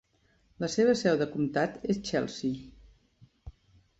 La seva seu de comtat és Chelsea.